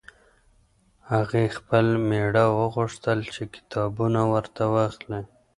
هغې ه خپل مېړه وغوښتل چې کتابونه ورته واخلي.